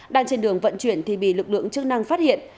đang trên đường vận chuyển thì bị lực lượng chức năng phát hiện